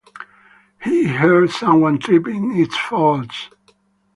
He heard someone trip in its folds.